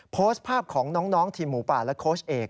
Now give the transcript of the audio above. โพสต์ภาพของน้องทีมหมูป่าและโค้ชเอก